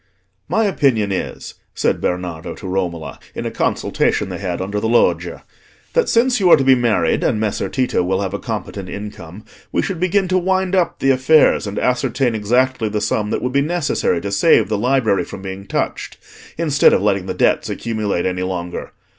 "My opinion is," said Bernardo to Romola, in a consultation they had under the loggia, "that since you are to be married, and Messer Tito will have a competent income, we should begin to wind up the affairs, and ascertain exactly the sum that would be necessary to save the library from being touched, instead of letting the debts accumulate any longer.